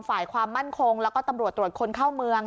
ฝ่ายความมั่นคงแล้วก็ตำรวจตรวจคนเข้าเมือง